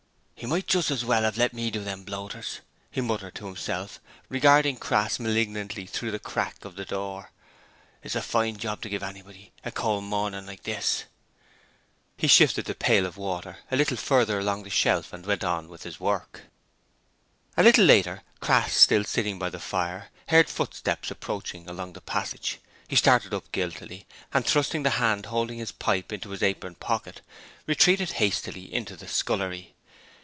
''E might just as well 'ave let me do them bloaters,' he muttered to himself, regarding Crass malignantly through the crack of the door. 'This is a fine job to give to anybody a cold mornin' like this.' He shifted the pail of water a little further along the shelf and went on with the work. A little later, Crass, still sitting by the fire, heard footsteps approaching along the passage. He started up guiltily and, thrusting the hand holding his pipe into his apron pocket, retreated hastily into the scullery.